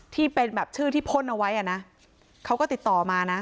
ที่เป็นแบบชื่อที่พ่นเอาไว้อ่ะนะเขาก็ติดต่อมานะ